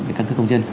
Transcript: cái căn cức công dân